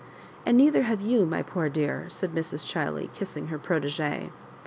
" And neither have you, my poor dear," said Mrs. Chiley, kissing her protegee.